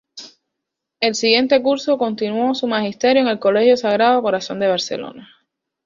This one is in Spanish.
El siguiente curso continuó su Magisterio en el Colegio Sagrado Corazón de Barcelona.